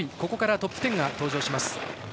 ここからトップ１０が登場です。